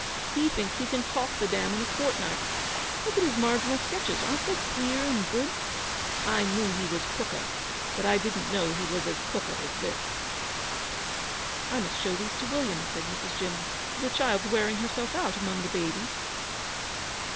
He thinks he can caulk the dam in a fortnight. Look at his marginal sketches aren't they clear and good? I knew he was pukka, but I didn't know he was as pukka as this!' 'I must show these to William,' said Mrs. Jim. 'The child's wearing herself out among the babies.'